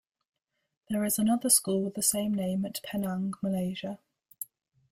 There is another school with the same name at Penang, Malaysia.